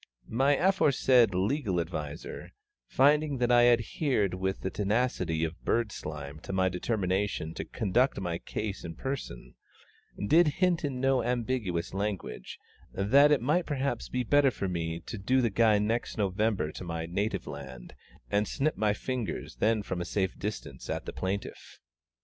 My aforesaid legal adviser, finding that I adhered with the tenacity of bird slime to my determination to conduct my case in person, did hint in no ambiguous language, that it might perhaps be even better for me to do the guy next November to my native land, and snip my fingers then from a safe distance at the plaintiff.